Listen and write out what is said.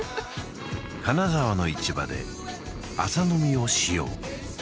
金沢の市場で朝飲みをしよう